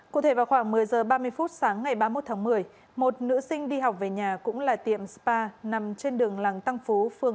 cụ thể vào khoảng một mươi h ba mươi phút sáng ngày ba mươi một tháng một mươi một nữ sinh đi học về nhà cũng là tiệm spa nằm trên đường làng tăng phú